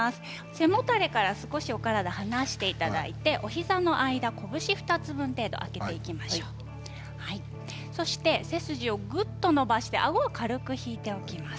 背もたれから少しお体離していただいてお膝の間、拳２つ分開けていただきましょう背筋をぐっと伸ばしてあごは軽く引いておきます。